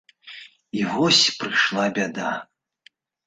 І вось прыйшла бяда.